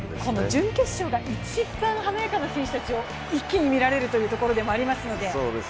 準決勝が一番華やかな選手たちを一気に見られるところでもありますので。